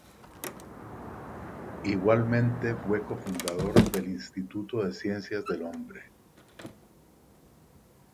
Igualmente fue cofundador del Instituto de Ciencias del Hombre.